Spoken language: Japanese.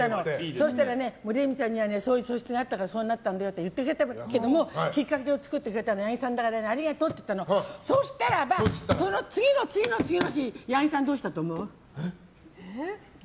そしたらレミさんにはそういう素質があったからそうなったんだよって言ってくれたけどきっかけを作ってくれたのはヤギさんだからありがとうって言ったらその次の次の次の日ヤギさん、どうしたと思う？